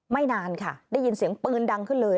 นานค่ะได้ยินเสียงปืนดังขึ้นเลย